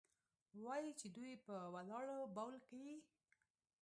وايي چې دوى په ولاړو بول كيې؟